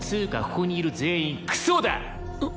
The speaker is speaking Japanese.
ここにいる全員クソだ！